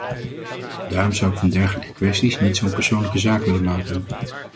Daarom zou ik van dergelijke kwesties niet zo’n persoonlijke zaak willen maken.